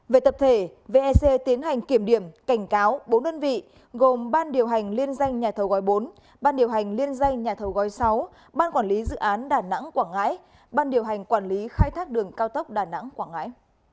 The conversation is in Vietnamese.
về tập thể vec tiến hành kiểm điểm cảnh cáo bốn đơn vị gồm ban điều hành liên danh nhà thầu gói bốn ban điều hành liên danh nhà thầu gói sáu ban quản lý dự án đà nẵng quảng ngãi ban điều hành quản lý khai thác đường cao tốc đà nẵng quảng ngãi